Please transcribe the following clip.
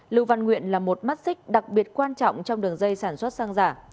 lưu văn nguyện là một mắt xích đặc biệt quan trọng trong đường dây sản xuất xăng giả